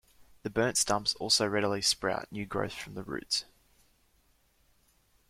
The burnt stumps also readily sprout new growth from the roots.